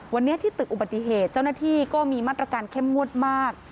วันนี้ที่ตึกอุบัติเหตุเจ้าหน้าที่ก็มีมาตรการเข้มงวดมาก